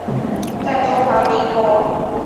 在中华民国。